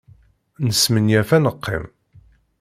Nesmenyaf ad neqqim.